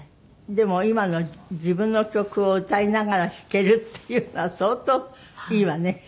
でも今の自分の曲を歌いながら弾けるっていうのは相当いいわね。